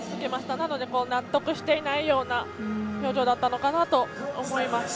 なので納得していないような表情だったのかなと思いますね。